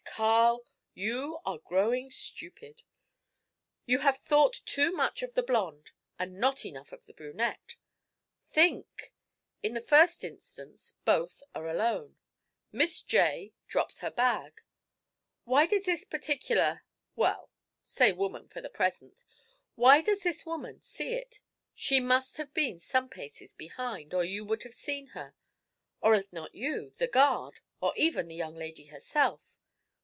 'Carl, you are growing stupid! You have thought too much of the blonde and not enough of the brunette! Think! In the first instance both are alone; Miss J. drops her bag; why does this particular well, say woman for the present why does this woman see it? She must have been some paces behind, or you would have seen her; or if not you, the guard, or even the young lady herself.